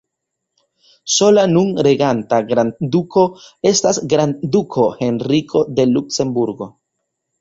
Sola nun reganta grandduko estas grandduko Henriko de Luksemburgo.